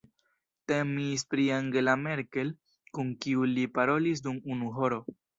Temis pri Angela Merkel, kun kiu li parolis dum unu horo.